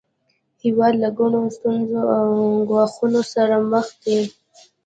هیواد له ګڼو ستونزو او ګواښونو سره مخ دی